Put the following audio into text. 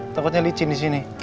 takutnya licin disini